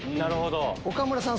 岡村さん